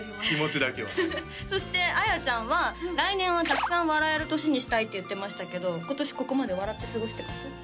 気持ちだけはそしてあやちゃんは来年はたくさん笑える年にしたいって言ってましたけど今年ここまで笑って過ごしてます？